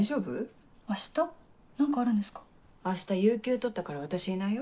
明日有休取ったから私いないよ。